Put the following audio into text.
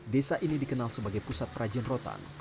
desa ini dikenal sebagai pusat perajin rotan